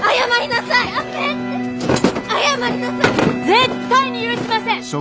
絶対に許しません！